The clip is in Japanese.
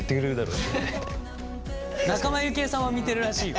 仲間由紀恵さんは見てるらしいよ。